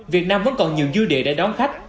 việt nam vẫn còn nhiều dư địa để đón khách